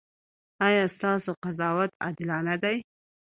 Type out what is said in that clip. ایا ستاسو قضاوت عادلانه دی؟